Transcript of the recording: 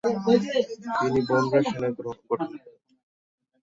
তিনি বনরা সেনা গঠন করেন।